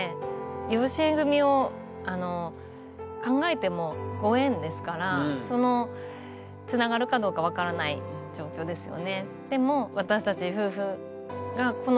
養子縁組を考えてもご縁ですからつながるかどうか分からない状況ですよね。